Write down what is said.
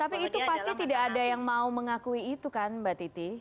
tapi itu pasti tidak ada yang mau mengakui itu kan mbak titi